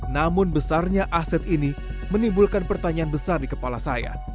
namun besarnya aset ini menimbulkan pertanyaan besar di kepala saya